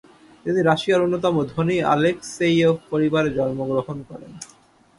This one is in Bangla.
তিনি রাশিয়ার অন্যতম ধনী আলেকসেইয়েভ পরিবারে জন্মগ্রহণ করেন।